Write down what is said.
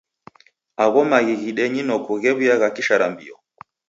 Agho maghi ghidenyi noko ghew'uya gha kisharambio.